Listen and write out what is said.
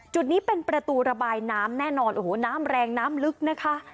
จุดนี้เป็นประตูระบายน้ำแน่นอนโอ้โหน้ำแรงน้ำลึกนะคะ